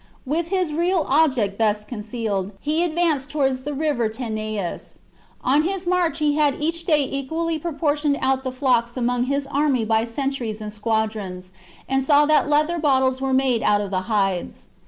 With his real object thus concealed, he advanced towards the river Tanais. On his march he chap. had each day equally portioned out the flocks among his army by centuries and squadrons, and saw that leather bottles were made out of the hides.